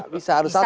bisa harus satu